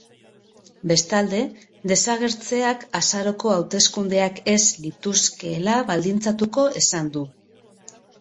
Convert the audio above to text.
Bestalde, desagertzeak azaroko hauteskundeak ez lituzkeela baldintzatuko esan du.